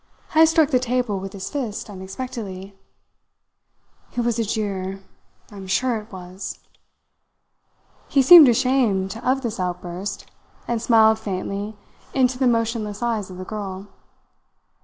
Heyst struck the table with his fist unexpectedly. "It was a jeer; I am sure it was!" He seemed ashamed of this outburst and smiled faintly into the motionless eyes of the girl.